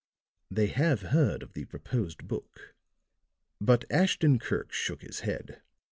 They have heard of the proposed book." But Ashton Kirk shook his head.